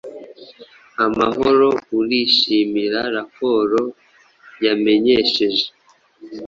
Amahoro urishimira Raporo yamenyesheje